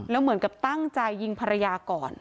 แล้วเหมือนกับตั้งใจยิงภรรยาก่อน